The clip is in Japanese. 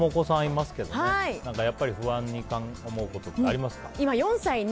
あけちゃんもお子さんがいますけど不安に思うことってありますか？